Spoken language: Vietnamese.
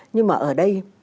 nhưng mà ở đây